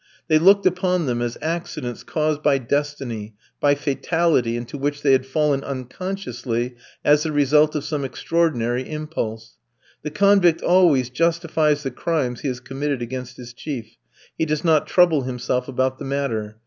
They looked upon them as accidents caused by destiny, by fatality, into which they had fallen unconsciously as the result of some extraordinary impulse. The convict always justifies the crimes he has committed against his chief; he does not trouble himself about the matter.